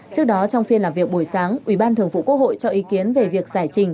trước đó trong phiên làm việc buổi sáng ủy ban thường vụ quốc hội cho ý kiến về việc giải trình